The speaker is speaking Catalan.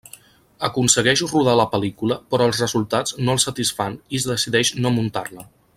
Aconsegueix rodar la pel·lícula, però els resultats no el satisfan i decideix no muntar-la.